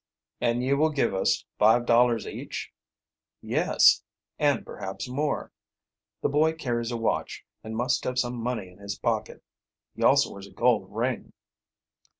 "An' you will give us five dollars each?" "Yes and perhaps more. The boy carries a watch, and must have some money in his pocket. He also wears a gold ring."